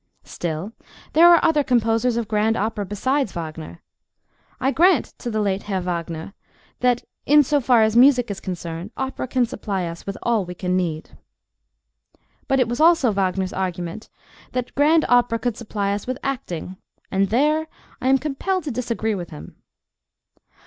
Still, there are other composers of grand opera besides Wagner. I grant to the late Herr Wagner, that, in so far as music is concerned, opera can supply us with all we can need. But it was also Wagner's argument that grand opera could supply us with acting, and there I am compelled to disagree with him.